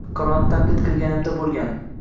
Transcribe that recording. qarorni tanqid qilganimda bo‘lgan.